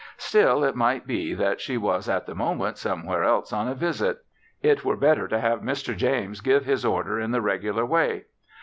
Still it might be that she was at the moment somewhere else, on a visit. It were better to have Mr. James give his order in the regular way.